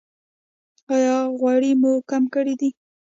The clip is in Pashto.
ایا غوړي مو کم کړي دي؟